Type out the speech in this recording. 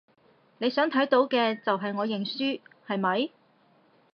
你想睇到嘅就係我認輸，係咪？